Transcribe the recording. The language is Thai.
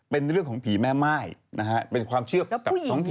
เป็นเรื่องของผีแม่ม่ายนะฮะเป็นความเชื่อกับท้องถิ่น